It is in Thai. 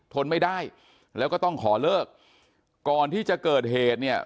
ทนไม่ได้แล้วก็ต้องขอเลิกก่อนที่จะเกิดเหตุเนี่ย